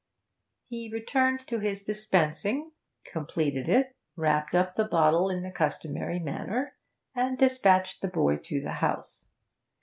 He returned to his dispensing, completed it, wrapped up the bottle in the customary manner, and despatched the boy to the house.